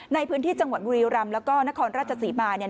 ในพื้นที่จังหวัดบุรีรำแล้วก็นครราชศรีมาเนี่ย